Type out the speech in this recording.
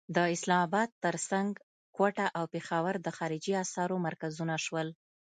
د اسلام اباد تر څنګ کوټه او پېښور د خارجي اسعارو مرکزونه شول.